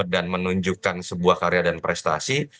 dan menunjukkan sebuah karya dan prestasi